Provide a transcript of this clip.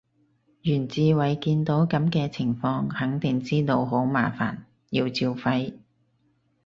袁志偉見到噉嘅情況肯定知道好麻煩，要照肺